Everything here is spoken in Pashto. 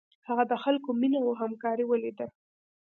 هغه د خلکو مینه او همکاري ولیده.